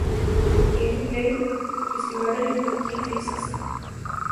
Gameplay is divided into three phases.